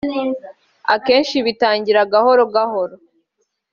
akenshi bitangira gahoro gahoro